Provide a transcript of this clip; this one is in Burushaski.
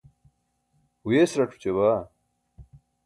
huyes rac̣ oća baa